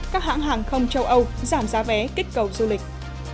các hãng hàng không châu âu giảm giá vé kích cầu du lịch